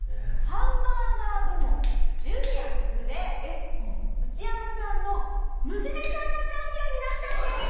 ハンバーガー部門ジュニアの部でウチヤマさんの娘さんがチャンピオンになったんです！